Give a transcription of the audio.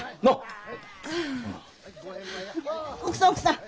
奥さん奥さん！